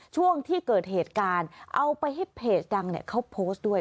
ช่วงที่เกิดเหตุการณ์เอาไปให้เพจดังเขาโพสต์ด้วย